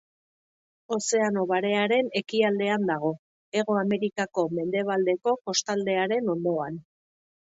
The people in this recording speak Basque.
Ozeano Barearen ekialdean dago, Hego Amerikako mendebaldeko kostaldearen ondoan.